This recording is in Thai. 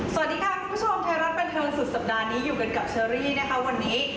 สวัสดีค่ะคุณผู้ชมไทยรัฐบันเทิงสุดสัปดาห์นี้อยู่กันกับเชอรี่นะคะวันนี้